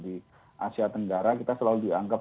di asia tenggara kita selalu dianggap